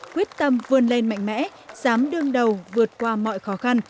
quyết tâm vươn lên mạnh mẽ dám đương đầu vượt qua mọi khó khăn